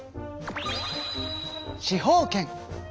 司法権。